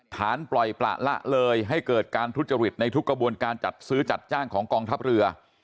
ฐานปล่อยประละเลยให้เกิดการทุจริตในทุกกระบวนการจัดซื้อจัดจ้างของกองทัพเรือ